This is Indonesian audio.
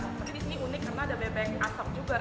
tapi disini unik karena ada bebek asap juga